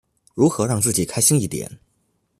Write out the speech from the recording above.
如何让自己开心一点？